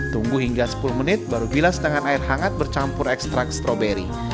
tunggu hingga sepuluh menit baru bila setengah air hangat bercampur ekstrak stroberi